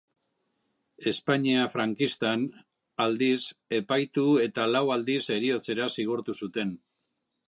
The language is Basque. Espainia frankistan, aldiz, epaitu eta lau aldiz heriotzera zigortu zuten.